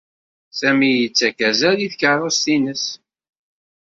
Sami yettakf azal i tkeṛṛust-nnes.